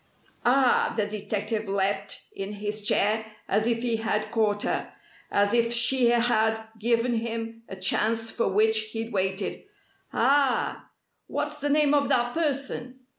"Ah!" the detective leapt in his chair as if he had caught her as if she had given him a chance for which he'd waited. "Ah! What's the name of that person?"